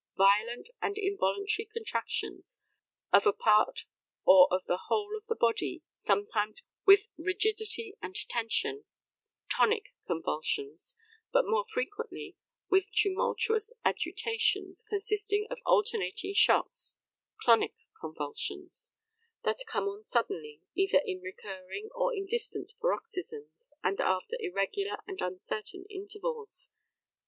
Violent and involuntary contractions of a part or of the whole of the body, sometimes with rigidity and tension (tonic convulsions), but more frequently with tumultuous agitations, consisting of alternating shocks (clonic convulsions), that come on suddenly, either in recurring or in distant paroxysms, and after irregular and uncertain intervals."